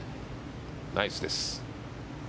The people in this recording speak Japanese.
ナイスです。